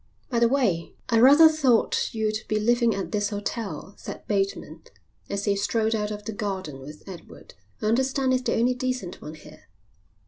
"By the way, I rather thought you'd be living at this hotel," said Bateman, as he strolled out of the garden with Edward. "I understand it's the only decent one here."